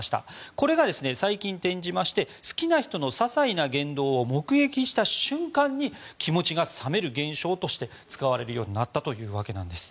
これが最近転じまして好きな人のささいな言動を目撃した瞬間に気持ちが冷める現象として使われるようになったというわけです。